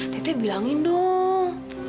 teh teh bilangin dong